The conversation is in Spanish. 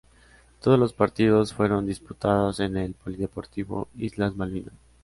Todos los partidos fueron disputados en el Polideportivo Islas Malvinas.